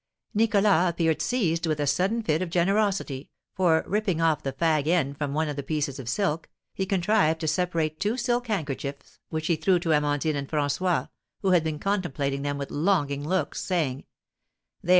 Nicholas appeared seized with a sudden fit of generosity, for, ripping off the fag end from one of the pieces of silk, he contrived to separate two silk handkerchiefs, which he threw to Amandine and François, who had been contemplating them with longing looks, saying: "There!